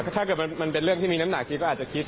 ถ้าเกิดมันเป็นเรื่องที่มีน้ำหนักคิดก็อาจจะคิด